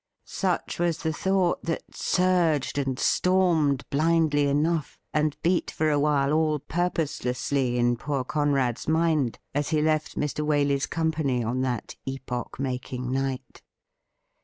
Such was the thought that surged and stormed blindly enough, and beat for a while all purposelessly in poor Conrad's mind as he left Mr. Waley's company on that epoch making night.